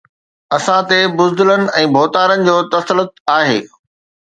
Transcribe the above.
اسان تي بزدلن ۽ ڀوتارن جو تسلط آهي